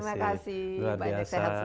terima kasih banyak sehat selalu